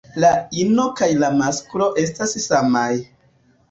La ino kaj la masklo estas samaj.